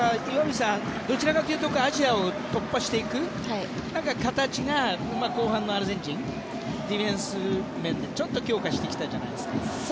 岩渕さんどちらかというとアジアを突破していく形が後半のアルゼンチンディフェンス面でちょっと強化してきたじゃないですか。